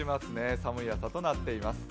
寒い朝となっています。